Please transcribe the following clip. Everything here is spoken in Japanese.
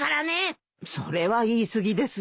それは言い過ぎですよ。